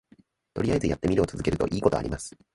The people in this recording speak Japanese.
とりあえずやってみるを続けるといいことあります